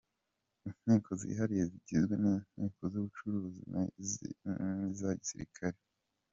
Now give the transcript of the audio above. Inkiko zihariye zigizwe n’inkiko z’ubucuruzi n’iza Gisirikare.